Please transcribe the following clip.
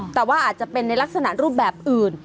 แต่ว่าอาจจะเป็นในลักษณะรูปแบบอื่น